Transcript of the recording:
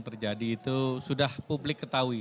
terjadi itu sudah publik ketahui